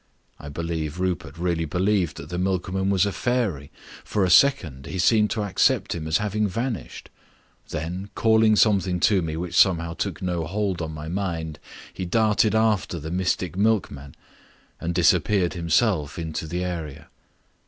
I believe Rupert really believed that the milkman was a fairy; for a second he seemed to accept him as having vanished. Then calling something to me which somehow took no hold on my mind, he darted after the mystic milkman, and disappeared himself into the area.